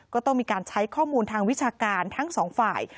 ก็ต้องมีการใช้ข้อมูลทางวิชาการทั้งสองฝ่าย